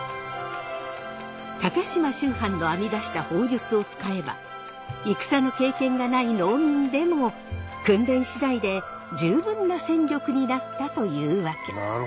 高島秋帆の編み出した砲術を使えば戦の経験がない農民でも訓練次第で十分な戦力になったというわけ。